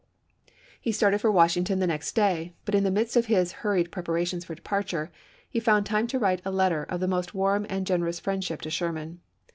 He started for Washington the next day, but in the midst of his hurried preparations for departure he found time to write a letter of the most warm and gen erous friendship to Sherman.